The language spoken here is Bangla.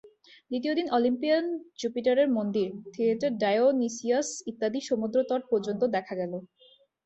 দ্বিতীয় দিন ওলিম্পিয়ান জুপিটারের মন্দির, থিয়েটার ডাইওনিসিয়াস ইত্যাদি সমুদ্রতট পর্যন্ত দেখা গেল।